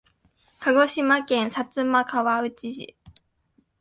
鹿児島県薩摩川内市